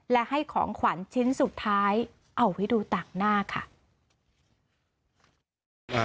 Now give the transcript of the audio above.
และให้ของขวัญชิ้นสุดท้ายเอาไว้ดูต่างหน้าค่ะ